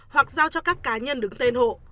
hoặc giao cho các cá nhân đứng tên hộ